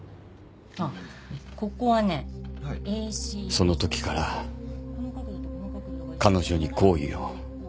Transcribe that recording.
その時から彼女に好意を。